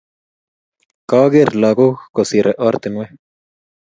koageer lagok kosire ortinwe